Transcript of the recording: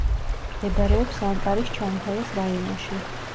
მდებარეობს ანკარის ჩანქაიას რაიონში.